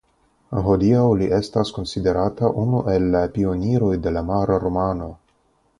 Hodiaŭ li estas konsiderata unu el la pioniroj de la mara romano.